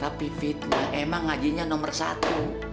tapi fitnah emang ngajinya nomor satu